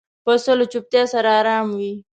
پسه له چوپتیا سره آرام وي.